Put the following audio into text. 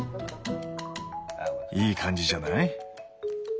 いい感じじゃない？